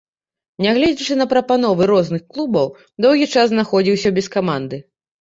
Нягледзячы на прапановы розных клубаў, доўгі час знаходзіўся без каманды.